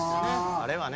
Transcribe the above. あれはね。